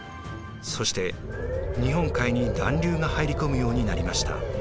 そして日本海に暖流が入り込むようになりました。